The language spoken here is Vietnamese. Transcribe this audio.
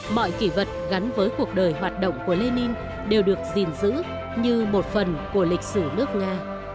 mọi kỷ vật gắn với cuộc đời hoạt động của lenin đều được gìn giữ như một phần của lịch sử nước nga